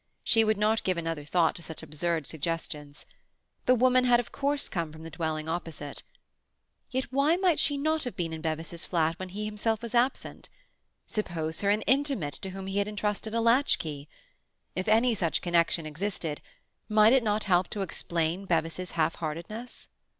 She would not give another thought to such absurd suggestions. The woman had of course come from the dwelling opposite. Yet why might she not have been in Bevis's flat when he himself was absent? Suppose her an intimate to whom he had entrusted a latchkey. If any such connection existed, might it not help to explain Bevis's half heartedness?